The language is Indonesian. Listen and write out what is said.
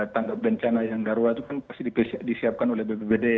tanggap bencana yang darurat itu kan pasti disiapkan oleh bpbd